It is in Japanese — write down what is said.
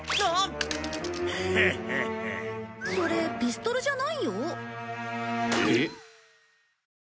それピストルじゃないよ。えっ？